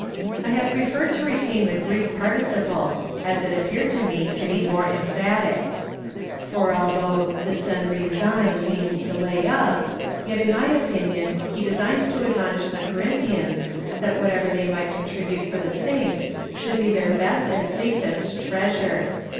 I have prefei red to retain the Greek participle, as it appeared to me to be more emphatic. For although ^7)aavpl^6iv means to lay up, yet in my opinion, he designed to admonish the Corinthians, that whatever they might contribute for the saints would be their best and safest treasure.